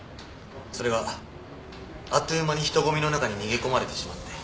それがあっという間に人ごみの中に逃げ込まれてしまって。